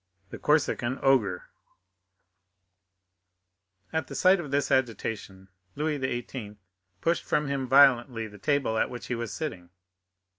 The Corsican Ogre At the sight of this agitation Louis XVIII. pushed from him violently the table at which he was sitting.